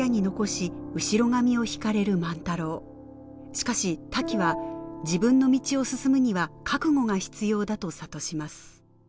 しかしタキは自分の道を進むには覚悟が必要だと諭します